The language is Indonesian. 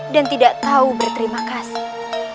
dan tidak tahu berterima kasih